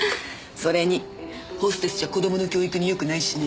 それにホステスじゃ子供の教育によくないしね。